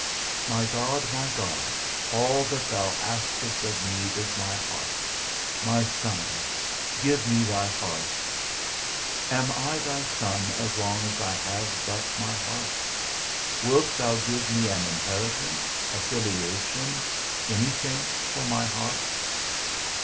My God, my God, all that thou askest of me is my heart, My Son, give me thy heart. Am I thy Son as long as I have but my heart? Wilt thou give me an inheritance, a filiation, any thing for my heart?